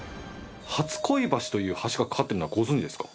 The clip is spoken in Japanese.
はつこい橋という橋が架かってるのはご存じですか？